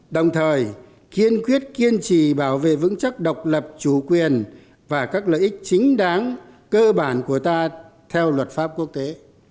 đồng thời kiên quyết kiên trì bảo vệ vững chắc độc lập chủ quyền và các lợi ích chính đáng cơ bản của ta theo luật pháp quốc tế